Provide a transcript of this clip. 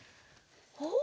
おっ？